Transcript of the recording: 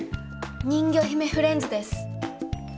人魚姫フレンズです。